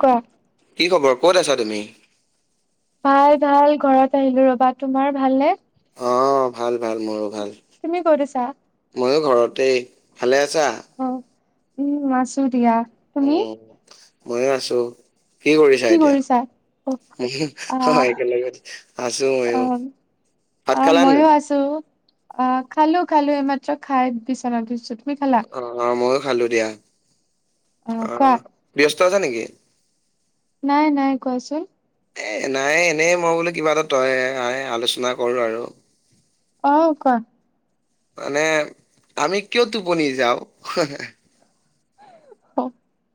কোৱা কি খবৰ ক'ত আছা তুমি? ভাল ভাল ঘৰত আহিলো ৰবা তোমাৰ ভালনে। অ ভাল ভাল মোৰো ভাল। তুমি কত আছা? তেই ভালে আছা। অ উম আছো দিয়া। তুমি উম ময়ো আছো। কি কৰিছা এতিয়া? উ আহ একেলগে আছো মইও অ মইও আছো। অ খালো খালো এইমাত্ৰ খাই বিচনাত উঠিছো। তুমি খালা অ মইয়ো খালো দিয়া। অ ব্যস্ত আছা নেকি? নাই নাই কোৱাচোন। এ নাই এনেই মই বোলো কিবা এটা তই আলোচনা কৰো আৰু অহ কোৱা। মানে আমি কিয় টোপনি যাও হে হে অ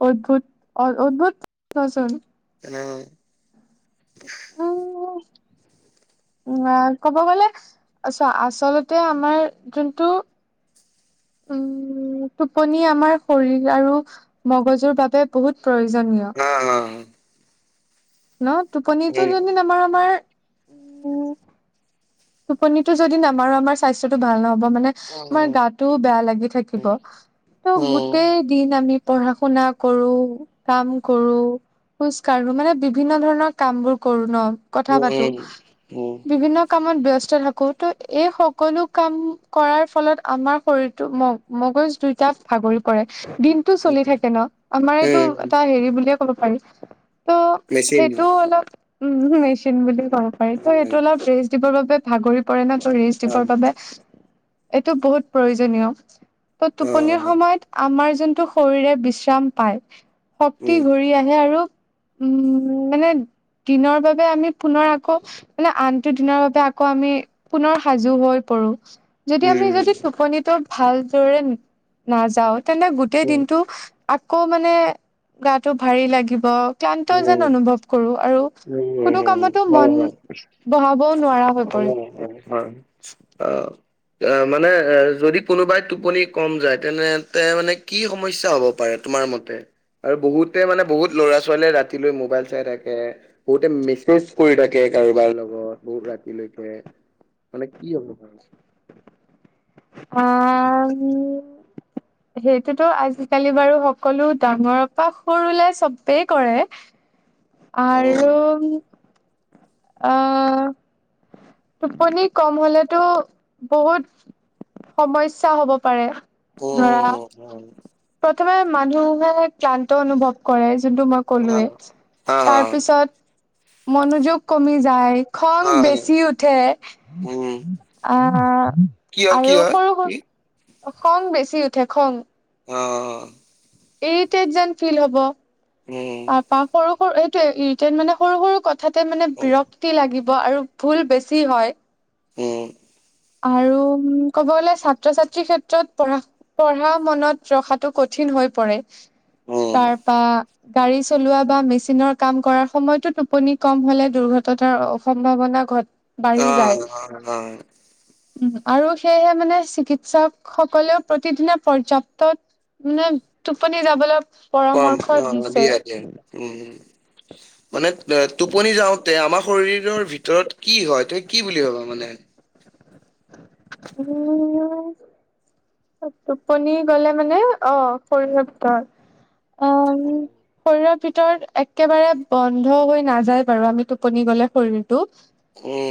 অদ্ভুত অ উদ্ভুত কোৱেশ্যন এনে উহ উ ক'ব গলে চোৱা আচলতে আমাৰ যোনটো উম টোপনি আমাৰ শৰীৰ আৰু মগজুৰ বাবে বহুত প্ৰয়োজনীয়। হা হা ন টোপনিটো উম যদি আমাৰ আমাৰ উম টোপনিটো যদি নামাৰো আমাৰ স্বাস্থ্যটো ভাল নহ। মানে তোমাৰ গাটোও বেয়া লাগি থাকিব ত উম গোটেই দিন আমি পঢ়া শুনা কৰো, কাম কৰো, খোজ কঢ়ো, মানে বিভিন্ন ধৰণৰ কাম বোৰ কৰো ন কথা উম পাতো উম উম বিভিন্ন কাম ব্যস্ত থাকো ত এই সকলো কাম কৰাৰ ফলত আমাৰ শৰীৰটো মগজ [unintelligible] দুইটা ভাগৰি পৰে। দিনটো চলি উম থাকে ন আমাৰ এইটো উম এটা হেৰি বুলিয়ে ক'ব পাৰি। ত' মেচিন সেইটো অলপ উ মেচিন বুলি ক'ব পাৰি অ' ত' সেইটো মানে অলপ বাবে ভাগৰি পৰে ন ৰিচ দিবৰ বাবে এইটো বহুত প্ৰয়োজনীয়। ত' টোপনিৰ সময়ত আমাৰ যোনটো শৰীৰে বিশ্ৰাম পায়। এ শক্তি ঘূৰি আহে আৰু। উম মানে দিনৰ বাবে আমি পুনৰ আকৌ মানে আনটো দিনৰ বাবে আকৌ আমি পুনৰ সাজু হৈ পৰো যদি আমি যদি টোপনিটো ভাল নাযাও তেন্তে গোটেই দিনটো [unintelligible] আকৌ মানে গাটো ভাৰী লাগিব ক্লান্ত যেন অনুভৱ কৰোঁ আৰু কোনো কামতো মন বহাব নোৱাৰা হৈ পৰে। অ অ মানে এ যদি কোনোবাই টোপনি কম যায় তেনেতে মানে কি সমস্যা হব পাৰে? তোমাৰ মতে আৰু বহুতে মানে বহুত ল'ৰা ছোৱালীয়ে ৰাতিলৈ মোবাইল চাই থাকে বহুতে মেছেজ কৰি থাকে থাকে কাৰোবাৰ লগত বহুত ৰাতিলৈকে, মানে কি হ'ব পাৰে? আহ সেইটোতো আজিকালি বাৰু সকলো ডাঙৰৰ পৰা সৰুলে চবেই কৰে। আৰু উম, আহ টোপনি কম হলেতো বহুত সমস্যা হ'ব পাৰে। ধৰা উম, উম, প্ৰথমে মানুহে ক্লান্ত অনুভৱ কৰে। যোনটো মই হা, ক'লোৱে, হা, হা, তাৰ পিছত মনোযোগ কমি যায়। খং হা, বেছি উঠে উম। আহ কি, হয়, কি, আৰু হয়। সৰু সৰু খং বেছি উঠে খং অ চৰিত এক্সাম ইৰিটেট যেন ফিল হব উম, তাৰপা সৰু সৰু এইটোৱে ইৰিটেট মানে সৰু সৰু কথা [unintelligible] হঠাতে মানে বিৰক্তি লাগিব, আৰু ভুল বেছি হয়। উম আৰু ক'ব গলে ছাত্ৰ -ছাত্ৰীৰ ক্ষেত্ৰত পঢা পঢ়া মনত ৰখাটো কঠিন। হৈ পৰে উম, তাৰপা। গাড়ী চলোৱা বা মেচিনৰ কাম কৰ সময়তো টোপনি কম হলে দুৰ্ঘটনাৰ সম্ভাৱনা। ঘৰত। অ অ উম, আৰু সেয়েহে মানে চিকিৎসক সকলেও প্ৰতিদিনে পৰ্যাপ্ত। [unintelligible] ন টোপনি যাবলৈ পাম পৰামৰ্শ অ দিছে দিয় আজি উম! [unintelligible] মানে টোপনি যাওঁতে আমাৰ শৰীৰৰ ভিতৰত কি হয় তুম কি বুলি ভাবা মানে? উম! টোপনি গলে মানে অ শৰীৰৰ অ উম। শৰীৰৰ ভিতৰত একেবাৰে বন্ধ হৈ নাযায় বাৰু আমি টোপনি গ'লে শৰীৰ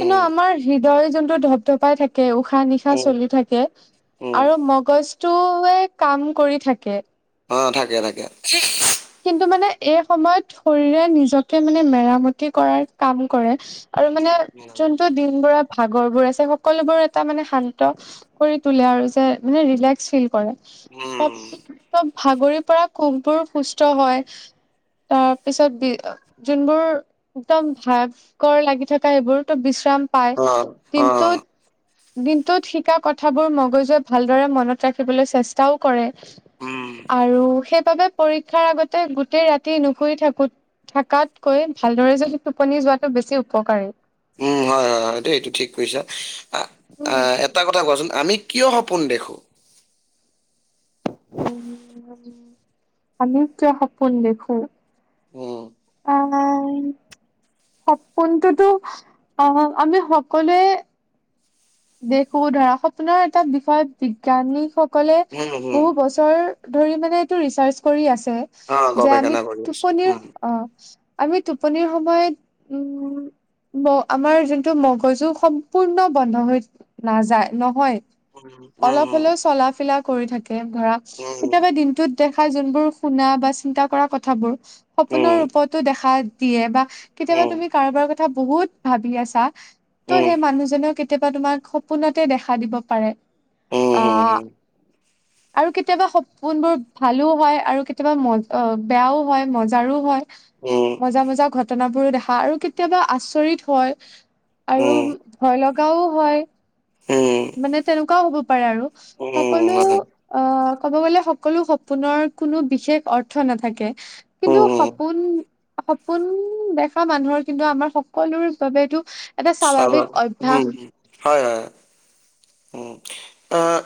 কিন্তু আমাৰ হৃদয় যোনটো ধপ-ধপাই থাকে। উশাহ-নিশাহ উম, চলি থাকে উম, আৰু ম। বস্তুৱে কাম কৰি থাকে। অ থাকে, থাকে। কিন্তু মানে এই সময়ত শৰীৰে নিজকে মানে মেৰামতি কৰাৰ কাম কৰে। আৰু মানে যোনটো দিন বৰা। ভাগৰ বোৰ আছে সকলোবোৰ এটা মানে শান্ত কৰি তোলে আৰু যে মানে ৰিলেক্স ফিল কৰে উম, ত ভাগৰিৰ পৰা খুববোৰ সুস্থ হয়। তাৰ পিছত বি যোনবোৰ একদম ভাগ লাগি থকা সেইবোৰতো পায় অ', কিন্তু। অ', দিনটোত শিকা কথাবোৰ মগজুৱ ভালদৰে মনত ৰাখিবলৈ চেষ্টাও কৰে। উম, আৰু সেইবাবে পৰীক্ষাৰ আগতে গোটেই ৰাতি নুশুই থাকো। থকাতকৈ ভালদৰে যদি টোপনি যোৱাটো বেছি উপকাৰী উম, হয়-হয়-হয় দে এইটো ঠিক কৰিছা আ [inaudible] এটা কথা কোৱাচোন আমি কিয় সপোন দেখোঁ? আমি কিয় সপোন দেখো? উম। অঁ। সপোনটোতো আহ আমি সকলোৱে দেখো ধৰা সপোনৰ এটা বিষয়ত বিজ্ঞানীসকলে উম, উম, বহু বছৰ। ধৰি মানে এইটো ৰিচাৰ্জ কৰি আছে অ' যে আমি গৱেষণা কৰি আছো উম। টোপনিৰ। আমি টোপনিৰ সময়ত উম। আমাৰ যোনটো মগজু সম্পূৰ্ণ বন্ধ হৈ নাযায় নহয়। হয়, অলপ হয়। হ'লেও চলা ফিলা কৰি থাকে ধৰা কেতিয়াবা দিনটোত দেখা যোনবোৰ। শুনা বা চিন্তা কৰা কথাবোৰ সপোনৰ ৰূপতো দেখা দিয়ে বা কেতিয়াবা উম, তুমি কাৰোবাৰ কথা বহুত ভাবি আছা ত' সেই মানুহজনেও কেতিয়াবা তোমাক। সপোনতে দেখা দিব পাৰে অঁ। আৰু কেতিয়াবা সপোনবোৰ ভালো হয় আৰু কেতিয়াবা ম অ বেয়াও হয় মজাৰো হয়। মজা-মজা ঘটনাবোৰো দেখা আৰু কেতিয়াবা আচৰিত হয়। আৰু ভয় লগাও হয়। মানে তেনেকুৱাও হ'ব পাৰে আৰু সকলো অঁ। ক'ব গ'লে সকলো সপোনৰ কোনো বিশেষ অৰ্থ নাথাকে কিন্তু সপোন। সপোন দেখা মানুহৰ কিন্তু আমাৰ সকলোৰ বাবেটো। এটা স্বাভাৱিক অভ্যাস। আহ।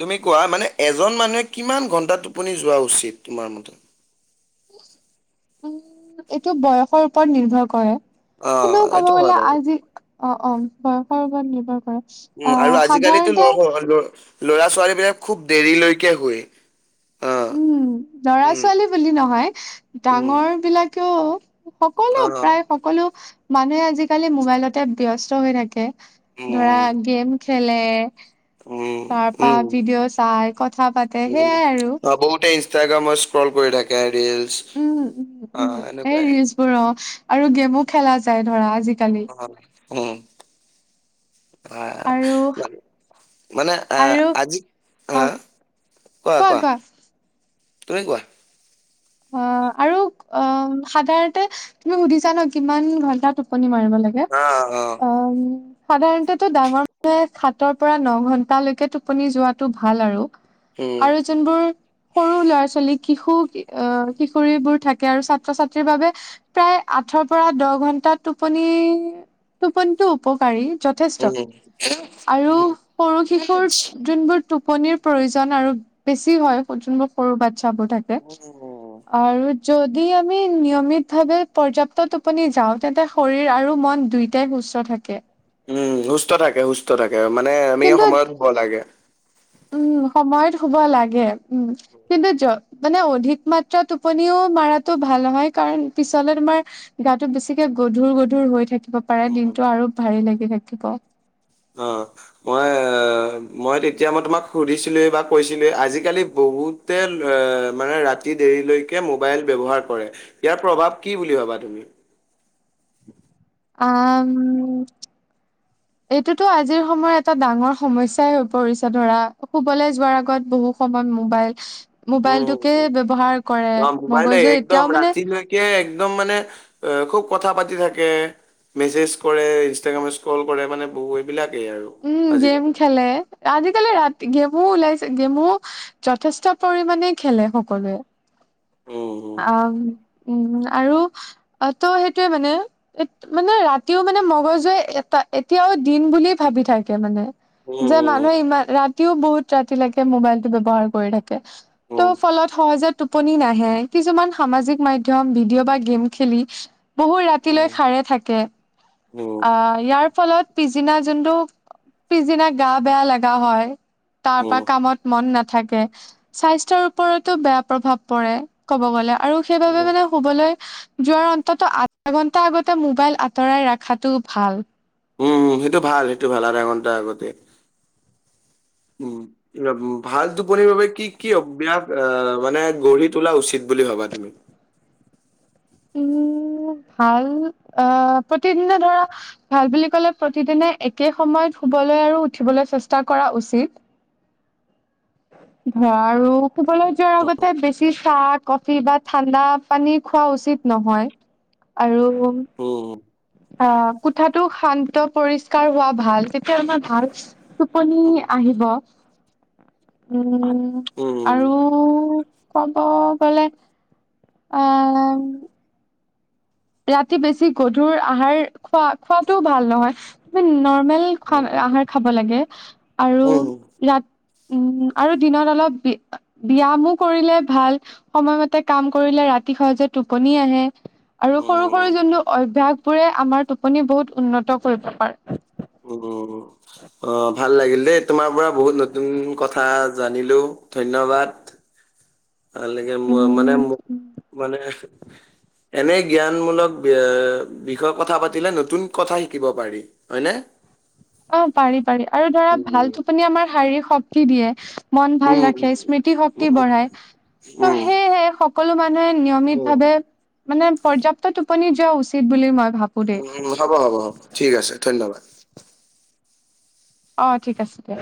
তুমি কোৱা মানে এজন মানুহে কিমান ঘন্টা টোপনি যোৱা উচিত তোমাৰ মতে? উম এইটো বয়সৰ ওপৰত নিৰ্ভৰ কৰে। অ', কিন্তু ক'ব এইটো হয় গ'লে বাৰু। আজি অ-অ বয়সৰ ওপৰত নিৰ্ভৰ কৰে। উম আহ আৰু আজিকালিতো সাধাৰণতে নহ। লৰা-ছোৱালীবিলাক খুব দেৰিলৈকে শুৱে। অ', উম! উম, লৰা-ছোৱালী বুলি নহয় উম, ডাঙৰবিলাকেও। সকলো অ', প্ৰায় সকলো মানুহে আজিকালি মোবাইলতে ব্যস্ত হৈ থাকে। ধৰা উম, গেম খেলে। উম, তাৰপা উম। ভিডিঅ' চাই কথা পাতে উম, সেইয়াই আৰু - অ', বহুতে ইনষ্টাগ্ৰামত স্ক্ৰল কৰি থাকে আৰু - উম-উম-উম এই ৰিলচবোৰ অ আৰু গেমো খেলা যায় ধৰা আজি। অঁ উম। আহ আৰু মানে আ আৰু আজি হা। অ', কোৱা কোৱা-কোৱা, কোৱা তুমি কোৱা? অ', আৰু অ', সাধাৰণতে তুমি সুধিছা ন কিমান ঘন্টা টোপনি মাৰ শুব লাগে, অ', অ', অঁ', উম', সাধাৰণতে ডাঙৰ মানুহে সাতৰ পৰা ন ঘন্টালৈকে টোপনি যোৱাটো ভাল আৰু উম, আৰু যোনবোৰ সৰু ল'ৰা-ছোৱালী কিশো অ', কিশোৰীবোৰ থাকে আৰু ছাত্ৰ-ছাত্ৰীৰ বাবে প্ৰায় আঠৰ পৰা দহ ঘন্টা টোপনি [inaudible] টোপনিটো উপকাৰী যথেষ্ট, উম, আৰু উম, উম, সৰু শিশুৰ যোনবোৰ টোপনিৰ প্ৰয়োজন, আৰু বেছি হয় যোনবোৰ সৰু বাচ্ছাবোৰ থাকে আৰু যদি আমি নিয়মিতভাৱে পৰ্য্যাপ্ত টোপনি যাওঁ তেন্তে শৰীৰ আৰু মন দুইটাই সুস্থ থাকে। উম', সুস্থ থাকে, সুস্থ থাকে, মানে আমি কিন্তু সময়ত শুব লাগে। উম', সময়ত শুব লাগে উম', কিন্তু য মানে অধিক মাত্ৰা টোপনিও টোপনি মাৰটো ভাল নহয় কাৰণ পিছলে তোমাৰ গাটো বেছিকে গধুৰ গধুৰ হৈ থাকে পোৰা উম, দিনটো আৰু ভাৰী লাগি থাকিব অ', মই অঅঅঅ', মই তেতিয়া মই তোমাক সুধিছিলোঁৱেই বা কৈছিলোঁৱেই আজিকালি বহুতে ল অ', মানে ৰাতি দেৰিলৈকে মোবাইল ব্যৱহাৰ কৰে। ইয়াৰ প্ৰভাৱ কি বুলি ভাবা তুমি? আহম', এইটোতো আজিৰ সময়ত এটা ডাঙৰ সমস্যাই হৈ পৰিছে ধৰা শুবলৈ যোৱাৰ আগত বহুত বহু সময় মোবাইল উম, হুম, মোবাইলটোকে হুম। ব্যৱহাৰ কৰে, অ' মোবাইলে মগজুুৰে একদম এতিয়াও মানে এ', খুব কথা পাতি থাকে, মেছেজ কৰে, ইনষ্টাগ্ৰাম স্ক্ৰল কৰে মানে বহু এইবিলাক উম', গেম খেলে, আজিকালি ৰাতি গেমো ওলাইছে গেমো, যথেষ্ট পৰিমণে খেলে সকলোৱে উম, হুম। অ', ম', উম', অ', আৰু অ', তো সেইটয়ে মানে, মানে ৰাতিও মানে মগজে এটা এতিয়াওঁ দিন বুলি ভাবি থাকে মানে যে উম, মানুহে ইমান ৰাতিও বহুত ৰাতিলৈকে মোবাইলতো ব্যৱহাৰ কৰি থাকে ত', উম, ফলত, সহজে টোপনি নাহে কিছুমান সামাজিক মাধ্যম ভিডিঅ' বা গেম খেলি বহুত ৰাতিলৈ উম, সাৰে থাকে উম, আহ', ইয়াৰ ফলত পিছদিনা যোনটো, পিছদিনা গা বেয়া লাগা হয় তাৰ উম, পৰা উম। কামত মন নাথাকে, স্বাস্থ্যৰ ওপৰতো বেয়া প্ৰভাৱ পৰে, ক'ব গ'লে আৰু সেইবাবে উম, মানে শুবলৈ যোৱাৰ অন্ততো আধা ঘন্টা আগতে মোবাইল আঁতৰাই ৰাখ আঁতৰাই ৰাখাতো ভাল উম', সেইটো ভাল, সেইটো ভাল, আধা ঘণ্টা আগতে উম', ইয়াত ভাল টোপনিৰ বাবে কি কি অভ্যাস আহ', মানে গঢ়ি তোলা উচিত বুলি ভাবা তুমি? উম', ভাল অ', প্ৰতিদিনে ধৰা ভাল বুলি কলে প্ৰতিদিনে একে সময়ত শুবলৈ আৰু উঠিবলৈ চেষ্টা কৰা উচিত। [inaudible] ধৰা আৰু শুবলৈ যোৱাৰ আগতে বেছি চাহ, কফি বা ঠাণ্ডা পানী খোৱা উচিত নহয় আৰু উম, অ', কোঠাটো শান্ত পৰিস্কাৰ হোৱা ভাল তেতিয়া আমাৰ ভাল টোপনি উম, আহিব', [inaudible] উমমম' উম, আৰু ক'ব গ'লে আহ', উম', ৰাতি বেছি গধুৰ আহাৰ খোৱা, খোৱাটোও ভাল নহয় তুমি নৰ্মেল খোৱা উম, আহাৰ খাব লাগে আৰু উম, উম, ৰাত উম আৰু দিনত অলপ ব্যায়ামো কৰিলে ভাল সময়মতে কাম কৰিলে ৰা ৰাতি সহজে টোপনি আহে। আৰু সৰু সৰু উম। যোনটো অভ্যাস বোৰে আমাৰ টোপনি বহুত উন্নত কৰিব পাৰে। উম, অৱ ভাল লাগিল দেই তোমাৰ পৰা বহুত নতুন কথা জানিলো ধন্যবাদ। ভাল লাগে, মই মানে মোক উম মানে এনে জ্ঞানমূলক এৱ, বিষয়ে কথা পাতিলে নতুন কথা শিকিব পাৰি, হয়নে অ পাৰি পাৰি আৰু ধৰা উম, ভাল উম, টোপনি আমাৰ শাৰীক শক্তি দিয়ে। মন ভাল উম, ৰাখে স্মৃতি শক্তি উম, বঢ়ায়। ত' উম, সেয়েহে সকলো মানুহে নিয়মিত ভাৱে মানে পৰ্যাপ্ত টোপনি যোৱা উচিত বুলি মই ভাবো দেই উম, উম, হ'ব হ'ব হ'ব ঠিক আছে ধন্যবাদ অৱ ঠিক আছে দিয়া।